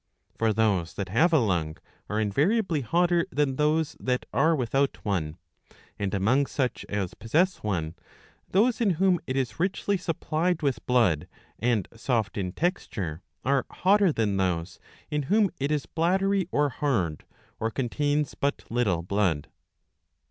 For those that have a lung are invariably hotter than those that are without one ; and among such as possess one, those in whom it is richly supplied with blood and soft in texture are hotter than those in whoni it is bladdery or hard, or contains but little blood."